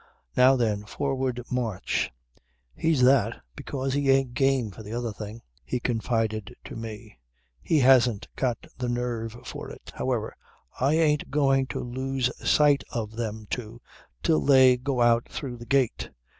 "Now then, forward, march ... He's that because he ain't game for the other thing," he confided to me. "He hasn't got the nerve for it. However, I ain't going to lose sight of them two till they go out through the gate.